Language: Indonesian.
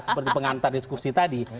seperti pengantar diskusi tadi